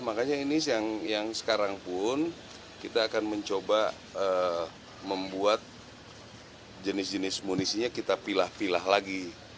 makanya ini yang sekarang pun kita akan mencoba membuat jenis jenis munisinya kita pilah pilah lagi